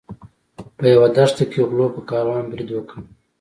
په یوه دښته کې غلو په کاروان برید وکړ.